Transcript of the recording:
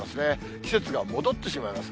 季節が戻ってしまいます。